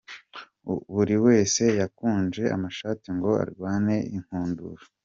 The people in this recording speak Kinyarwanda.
ubu buri wese yakunje amashati ngo arwane inkundura!.